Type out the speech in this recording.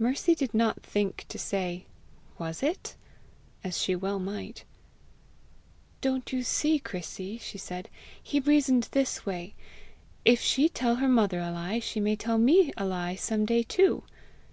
Mercy did not think to say "WAS IT?" as she well might. "Don't you see, Chrissy," she said, "he reasoned this way: 'If she tell her mother a lie, she may tell me a lie some day too!'?"